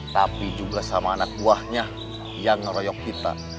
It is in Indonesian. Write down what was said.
tapi juga sama anak buahnya yang ngeroyok kita